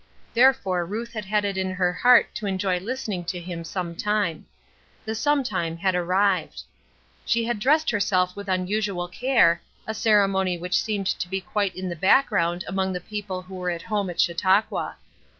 Therefore Ruth had had it in her heart to enjoy listening to him sometime. The sometime had arrived. She had dressed herself with unusual care, a ceremony which seemed to be quite in the background among the people who were at home at Chautauqua.